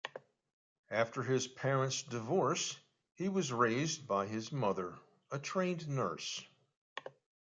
After his parents' divorce, he was raised by his mother, a trained nurse.